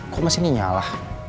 kok mesinnya nyala